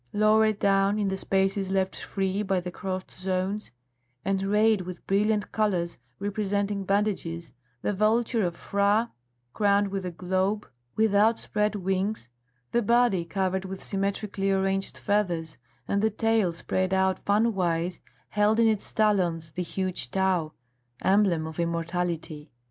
Lower down, in the spaces left free by the crossed zones, and rayed with brilliant colours representing bandages, the vulture of Phra, crowned with a globe, with outspread wings, the body covered with symmetrically arranged feathers, and the tail spread out fanwise, held in its talons the huge Tau, emblem of immortality.